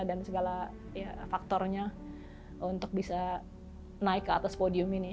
dan segala faktornya untuk bisa naik ke atas podium ini